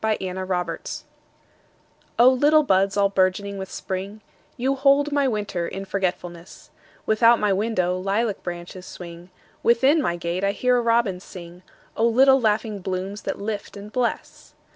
A Song in Spring O LITTLE buds all bourgeoning with Spring, You hold my winter in forgetfulness; Without my window lilac branches swing, Within my gate I hear a robin sing—O little laughing blooms that lift and bless!